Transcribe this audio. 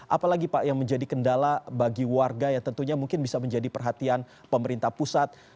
apalagi pak yang menjadi kendala bagi warga yang tentunya mungkin bisa menjadi perhatian pemerintah pusat